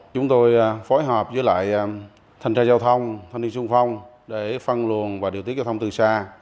chúng tôi phối hợp với lại thành trai giao thông thanh niên xung phong để phân luồn và điều tiết giao thông từ xa